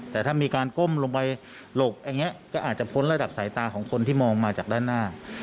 แต่ถ้ามีการก้มลงไปหลบอย่างนี้ก็อาจจะพ้นระดับสายตาของคนที่มองมาจากด้านหน้า